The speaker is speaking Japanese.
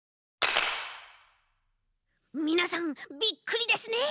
みなさんびっくりですね？